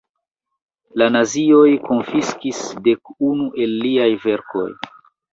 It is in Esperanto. La nazioj konfiskis dek unu el liaj verkoj.